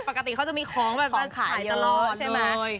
ประก็ติเขาจะมีของแบบขายอยู่ครับ